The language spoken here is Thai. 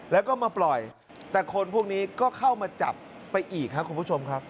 แล้วก็มาปล่อยแต่คนพวกนี้ก็เข้ามาจับไปอีกครับคุณผู้ชมครับ